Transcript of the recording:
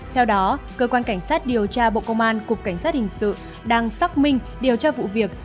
theo đó cơ quan cảnh sát điều tra bộ công an cục cảnh sát hình sự đang xác minh điều tra vụ việc